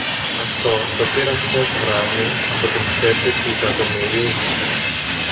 Αυτό το πήρα χθες βράδυ από την τσέπη του Κακομοιρίδη.